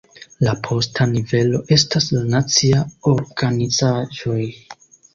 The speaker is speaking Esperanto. La posta nivelo estas la naciaj organizaĵoj.